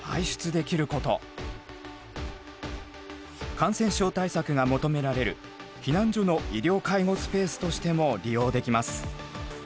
感染症対策が求められる避難所の医療介護スペースとしても利用できます。